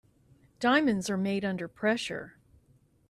Diamonds are made under pressure.